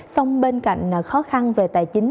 xong bên cạnh khó khăn về tài chính